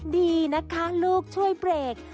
ดีนะคะลูกช่วยเบรก